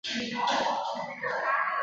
蹇念益自幼随父亲在四川念书。